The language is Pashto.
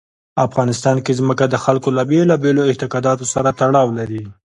افغانستان کې ځمکه د خلکو له بېلابېلو اعتقاداتو سره تړاو لري.